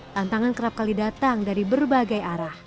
tantangan kerap kali datang dari berbagai arah